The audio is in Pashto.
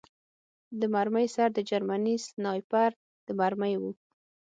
د مرمۍ سر د جرمني سنایپر د مرمۍ و